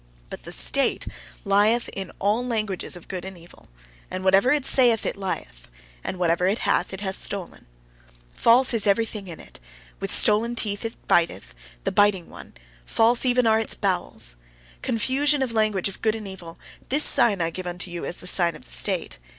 But the state lieth in all languages of good and evil; and whatever it saith it lieth; and whatever it hath it hath stolen. False is everything in it; with stolen teeth it biteth, the biting one. False are even its bowels. Confusion of language of good and evil; this sign I give unto you as the sign of the state.